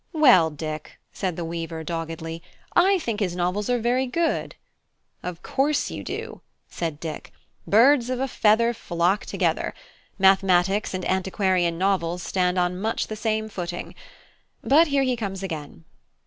"Well, Dick," said the weaver, doggedly, "I think his novels are very good." "Of course you do," said Dick; "birds of a feather flock together; mathematics and antiquarian novels stand on much the same footing. But here he comes again."